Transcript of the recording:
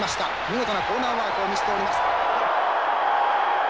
見事なコーナーワークを見せております。